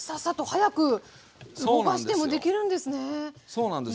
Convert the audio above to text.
そうなんです。